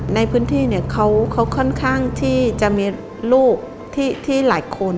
ในพื้นที่เนี่ยเขาค่อนข้างที่จะมีลูกที่หลายคน